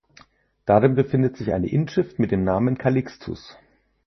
Daran befindet sich eine Inschrift mit dem Namen „Calixtus“.